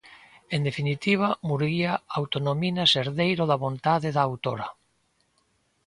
En definitiva, Murguía autonomínase herdeiro da vontade da autora.